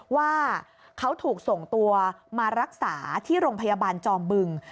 ว่าเขาถูกส่งตัวมารักษาที่โรงพยาบาลจอมบึง